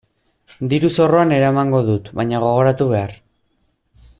Diru-zorroan eramango dut baina gogoratu behar.